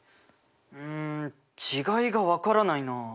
うん違いが分からないな。